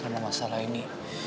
karena masalah ini